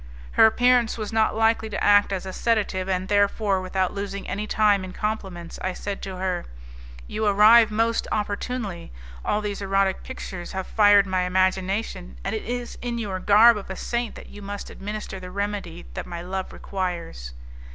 Her appearance was not likely to act as a sedative, and therefore, without losing any time in compliments, I said to her, "You arrive most opportunely. All these erotic pictures have fired my imagination, and it is in your garb of a saint that you must administer the remedy that my love requires."